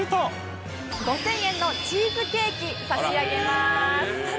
５０００円のチーズケーキ差し上げます。